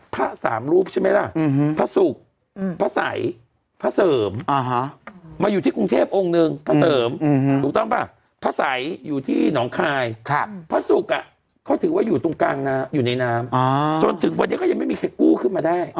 ผ้าสามรูปใช่ไหมล่ะอืมพระสุกอืมพระสัยพระเสริมอ่าฮะมาอยู่ที่